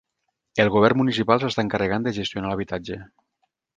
El govern municipal s'està encarregant de gestionar l'habitatge.